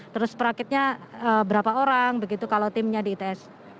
terus perakitnya berapa orang begitu kalau timnya di its